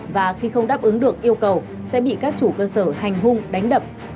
và khi không đáp ứng được yêu cầu sẽ bị các chủ cơ sở hành hung đánh đập